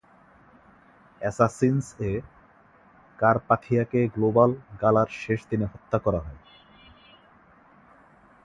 "অ্যাসাসিনস"-এ, কারপাথিয়াকে গ্লোবাল গালার শেষ দিনে হত্যা করা হয়।